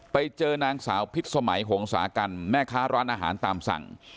ไปเจอนางสาวพิษสมัยหงษากันแม่ค้าร้านอาหารตามสั่ง